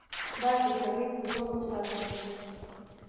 باید د جګړې په زور وساتله شي.